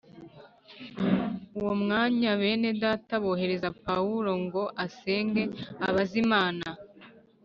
Uwo mwanya bene Data bohereza Pawulo ngo asenge abaze Imana.